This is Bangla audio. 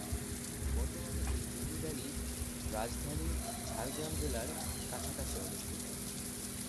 বর্তমানে এই জমিদারির রাজধানী ঝাড়গ্রাম জেলার কাছাকাছি অবস্থিত।